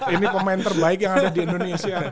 ini pemain terbaik yang ada di indonesia